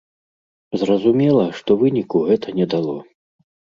Зразумела, што выніку гэта не дало.